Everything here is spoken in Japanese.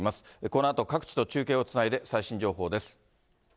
このあと各地と中継をつないで最新情報です。